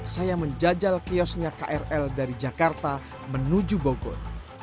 saya menjajal kiosnya krl dari jakarta menuju bogor